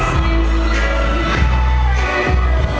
สวัสดีครับ